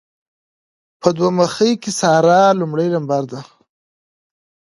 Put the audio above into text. په دوه مخۍ کې ساره لمړی لمبر ده.